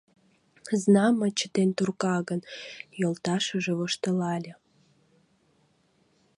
— Знамо, чытен турка гын, — йолташыже воштылале.